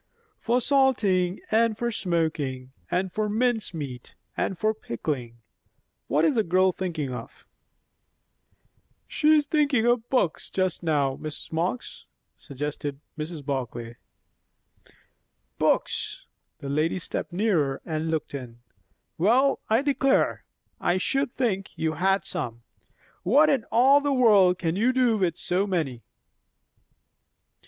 "For salting, and for smoking, and for mince meat, and for pickling. What is the girl thinking of?" "She is thinking of books just now, Mrs. Marx," suggested Mrs. Barclay. "Books!" The lady stepped nearer and looked in. "Well, I declare! I should think you had some. What in all the world can you do with so many?"